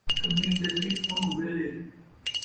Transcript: نکمی ڄٹی ، اون ویلے